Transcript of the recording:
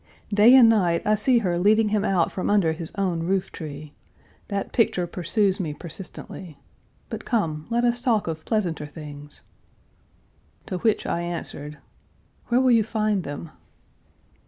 Day and night I see her leading him out from under his own rooftree. That picture pursues me persistently. But come, let us talk of pleasanter things." To which I answered, "Where will you find them?"